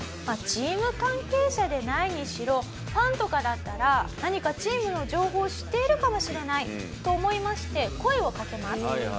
チーム関係者でないにしろファンとかだったら何かチームの情報を知っているかもしれないと思いまして声をかけます。